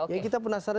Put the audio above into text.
yang kita penasaran